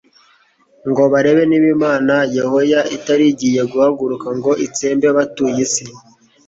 ngo barebe niba Imana Yehoya itari igiye guhaguruka ngo itsembe abatuye isi.